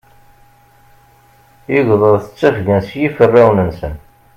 Igḍaḍ ttafgen s yiferrawen-nsen.